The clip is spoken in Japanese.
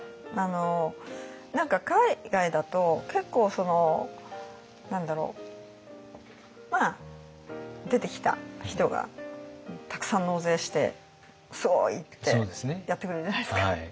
何か海外だと結構何だろうまあ出てきた人がたくさん納税して「すごい！」ってやってくれるじゃないですか。